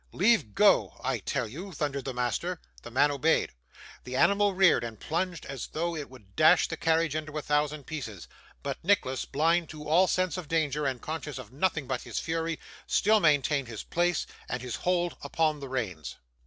'Leave go, I tell you!' thundered his master. The man obeyed. The animal reared and plunged as though it would dash the carriage into a thousand pieces, but Nicholas, blind to all sense of danger, and conscious of nothing but his fury, still maintained his place and his hold upon the reins.